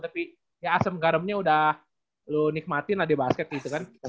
tapi ya asem garamnya udah lu nikmatin lah di basket gitu kan